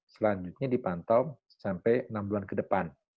selanjutnya dipantau sampai enam bulan ke depan